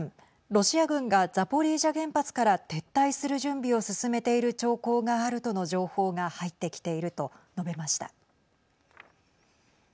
ロシア軍がザポリージャ原発から撤退する準備を進めている兆候があるとの情報が入ってきていると述べました。